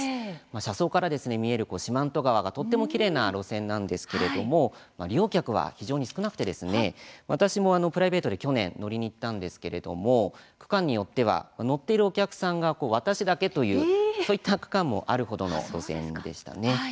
車窓から見える四万十川がとてもきれいな路線なんですけれども利用客は非常に少なくて私もプライベートで去年乗りに行ったんですけれども区間によっては乗っているお客さんが私だけというそういった区間もある程の路線でした。